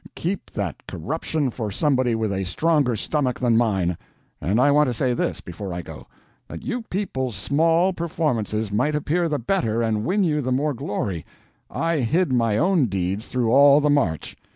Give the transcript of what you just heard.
Keep that corruption for somebody with a stronger stomach than mine. And I want to say this, before I go. That you people's small performances might appear the better and win you the more glory, I hid my own deeds through all the march.